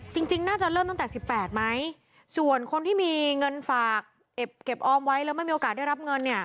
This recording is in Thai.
จริงจริงน่าจะเริ่มตั้งแต่๑๘ไหมส่วนคนที่มีเงินฝากเก็บออมไว้แล้วไม่มีโอกาสได้รับเงินเนี่ย